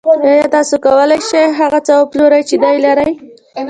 آیا تاسو کولی شئ هغه څه وپلورئ چې نلرئ